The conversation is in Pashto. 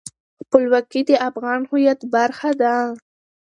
خپلواکي د افغان هویت برخه ده.